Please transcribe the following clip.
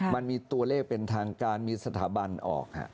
มันมีตัวเลขเป็นทางการมีสถาบันออก